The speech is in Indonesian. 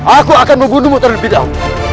aku akan membunuhmu dari bidaw